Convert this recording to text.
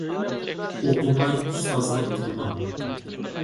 ئوقۇماي ئۇستازلىق قىلما.